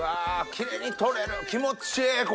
キレイに取れる気持ちええこれ！